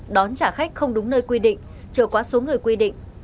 đón trả khách không đúng nơi quy định trở quá số người quy định